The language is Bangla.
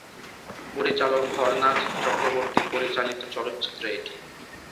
পরিচালক হরনাথ চক্রবর্তী পরিচালিত চলচ্চিত্র এটি।